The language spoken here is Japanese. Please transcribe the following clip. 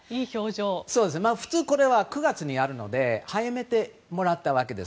普通、これは９月にやるので早めてもらったわけです。